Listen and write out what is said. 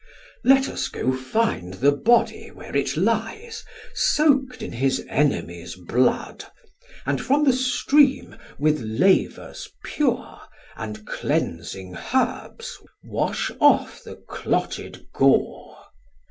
Let us go find the body where it lies Sok't in his enemies blood, and from the stream With lavers pure and cleansing herbs wash off The clotted gore.